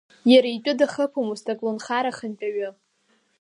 Иара итәы дахыԥомызт аколнхара ахантәаҩы.